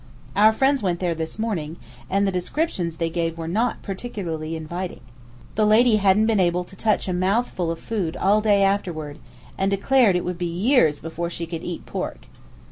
Our friends went there this morning, and the descriptions they gave were not particularly inviting. The lady hadn't been able to touch a mouthful of food all day afterwards, and declared it would be years before she could eat pork.